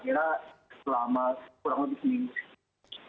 kira selama kurang lebih seminggu